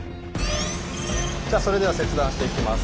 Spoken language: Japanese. じゃあそれでは切断していきます。